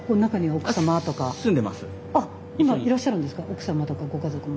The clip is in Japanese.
奥様とかご家族も。